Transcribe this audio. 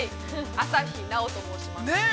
朝日奈央と申します。